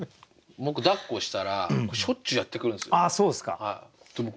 僕だっこしたらしょっちゅうやってくるんですよ。